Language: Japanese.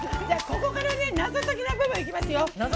ここから謎解きの部分いきますよ。